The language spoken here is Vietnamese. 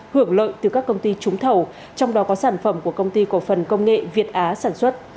hưởng lợi từ các công ty trúng thầu trong đó có sản phẩm của công ty cổ phần công nghệ việt á sản xuất